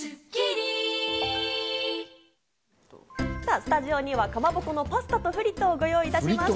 スタジオには、かまぼこのパスタとフリットをご用意しました。